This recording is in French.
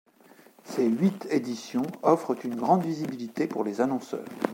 Ses huit éditions offrent une grande visibilité pour les annonceurs.